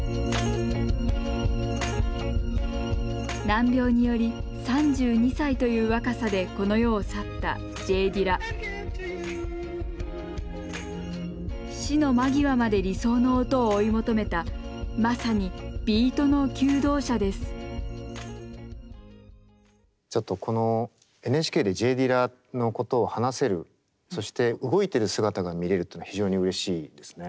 難病により３２歳という若さでこの世を去ったＪ・ディラ死の間際まで理想の音を追い求めたまさにちょっとこのＮＨＫでＪ・ディラのことを話せるそして動いてる姿が見れるというのは非常にうれしいですね。